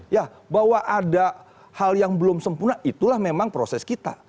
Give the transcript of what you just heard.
ya bahwa ada hal yang belum sempurna itulah memang proses kita